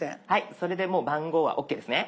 それでもう番号はＯＫですね。